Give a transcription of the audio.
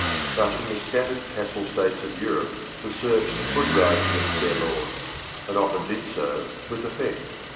But in the scattered castle states of Europe, the serfs could rise against their lords, and often did so with effect.